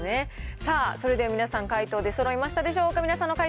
さあ、皆さん、解答出そろいましたでしょうか。